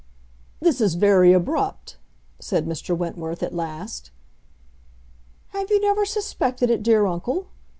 "This is very abrupt," said Mr. Wentworth, at last. "Have you never suspected it, dear uncle?"